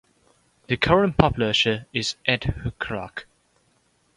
The current publisher is Ed Huculak.